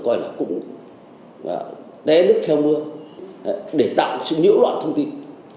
coi là cũng té nước theo mưa để tạo sự nhiễu loạn thông tin